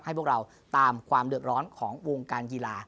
พวกเราตามความเดือดร้อนของวงการกีฬา